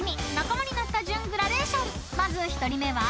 ［まず１人目は］